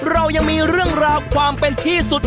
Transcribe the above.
เรายังมีเรื่องราวความเป็นที่สุด